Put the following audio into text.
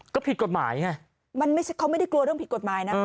ก็ผิดกฎหมายไงมันไม่ใช่เขาไม่ได้กลัวเรื่องผิดกฎหมายนะ